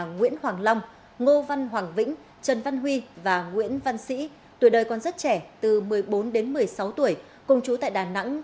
nguyễn hoàng long ngô văn hoàng vĩnh trần văn huy và nguyễn văn sĩ tuổi đời còn rất trẻ từ một mươi bốn đến một mươi sáu tuổi cùng chú tại đà nẵng